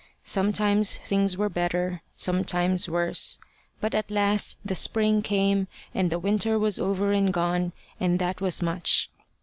Sometimes things were better, sometimes worse. But at last the spring came, and the winter was over and gone, and that was much.